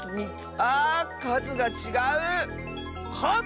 あかずがちがう！かず？